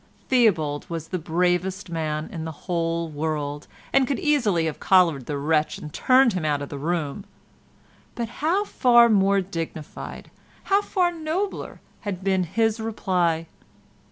Theobald was the bravest man in the whole world, and could easily have collared the wretch and turned him out of the room, but how far more dignified, how far nobler had been his reply!